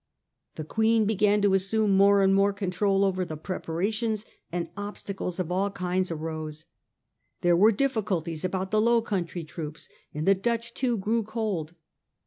The Queen began to assume more and more control over the preparations, and obstacles of all kinds arose. There were difficulties about the Low Country troops, and the Dutch too grew cold.